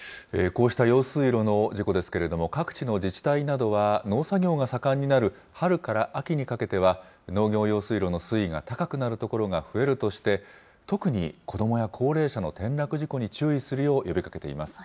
こうした用水路の事故ですけれども、各地の自治体などは、農作業が盛んになる春から秋にかけては、農業用水路の水位が高くなる所が増えるとして、特に子どもや高齢者の転落事故に注意するよう呼びかけています。